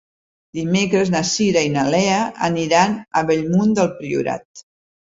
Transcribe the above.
Dimecres na Cira i na Lea aniran a Bellmunt del Priorat.